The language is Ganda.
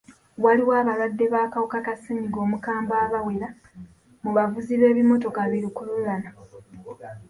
Waliwo abalwadde b'akawuka ka ssennyiga omukambwe abawera mu bavuzi b'ebimmotoka bi lukululana.